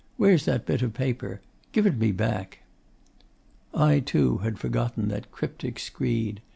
Where's that bit of paper? Give it me back.' I, too, had forgotten that cryptic screed.